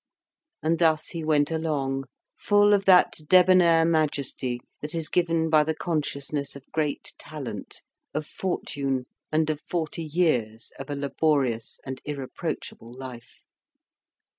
And thus he went along, full of that debonair majesty that is given by the consciousness of great talent, of fortune, and of forty years of a labourious and irreproachable life.